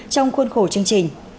trong khuôn khổ chương trình